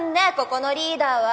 ここのリーダーは。